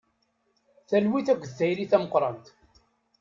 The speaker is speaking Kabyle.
Talwit akked tayri tameqrant.